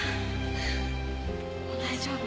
もう大丈夫。